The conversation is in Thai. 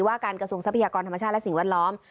การกระทรวงทรัพยากรธรรมชาติและสิ่งแวดล้อม